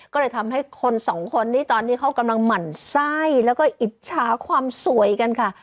ก็เลยทำให้คนสองคนนี่ตอนนี้เขากำลังหมั่นไส้แล้วก็อิจฉาความสวยกันค่ะ